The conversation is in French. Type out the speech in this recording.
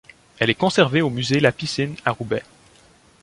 Elle est conservée au musée La Piscine, à Roubaix.